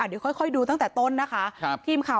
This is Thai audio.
เดี๋ยวค่อยดูตั้งแต่ต้นนะคะ